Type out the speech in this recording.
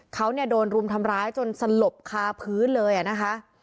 เขาเนี่ยโดนรุมทำร้ายจนสลบคาพื้นเลยนะคะ